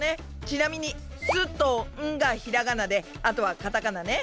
ちなみに「す」と「ん」がひらがなであとはカタカナね。